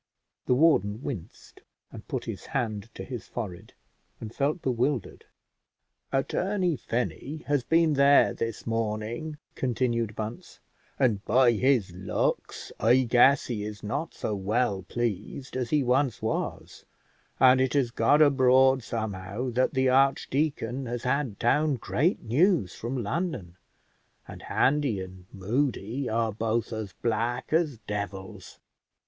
The warden winced, and put his hand to his forehead and felt bewildered. "Attorney Finney has been there this morning," continued Bunce, "and by his looks I guess he is not so well pleased as he once was, and it has got abroad somehow that the archdeacon has had down great news from London, and Handy and Moody are both as black as devils.